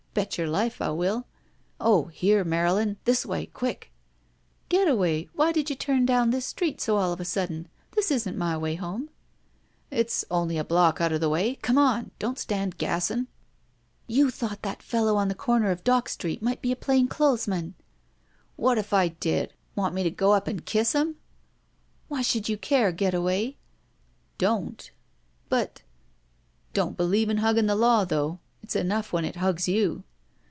Bet your life I will — Oh — ^here, Marylin — ^this way — quick!" Getaway, why did you turn down this street so all of a sudden? This isn't my way home." 122 It THE VERTICAL CITY *'It's only a block out of the way. Come on! Don't stand gassing." '* You thought that f ellow on the comer of Dock Street might be a plain clothes man !" "What if I did? Want me to go up and kiss him?" *'Why should you care, Getaway?" ''Don't." "But—" "Don't believe in hugging the law, though. It's enough when it hugs you."